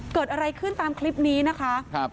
เกิดอะไรขึ้นตามคลิปนี้นะคะ